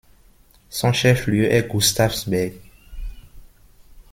Son chef-lieu est Gustavsberg.